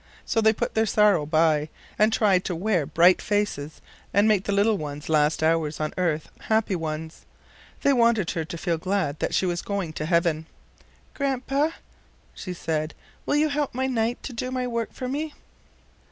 So they put their sorrow by and tried to wear bright faces and make the little one's last hours on earth happy ones. They wanted her to feel glad that she was going to heaven. "Grandpa," she said," will you help my knight to do my work for me?